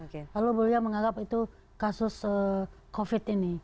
kalau beliau menganggap itu kasus covid ini